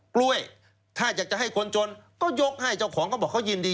กล้วยถ้าอยากจะให้คนจนก็ยกให้เจ้าของก็บอกเขายินดี